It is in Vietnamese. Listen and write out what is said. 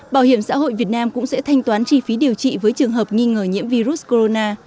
bảo hiểm xã hội việt nam cũng sẽ thanh toán chi phí điều trị với trường hợp nghi ngờ nhiễm virus corona